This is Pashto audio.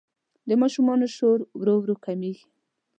د ماشومانو شور ورو ورو کمېږي.